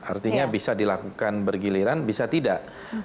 artinya bisa dilakukan bergiliran bisa tidak